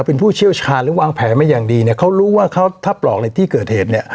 เป็นผู้เชี่ยวชาญหรือวางแผนมาอย่างดีเนี่ยเขารู้ว่าเขาถ้าปลอกในที่เกิดเหตุเนี่ย